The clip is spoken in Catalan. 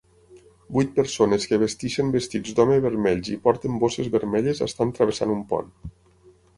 Vuit persones que vesteixen vestits d'home vermells i porten bosses vermelles estan travessant un pont.